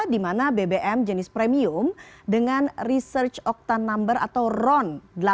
dimana bbm jenis premium dengan research octane number atau ron delapan puluh delapan